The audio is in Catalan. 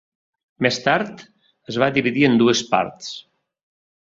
Més tard, es va dividir en dues parts.